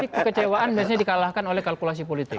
kecewaan biasanya dikalahin oleh kalkulasi politik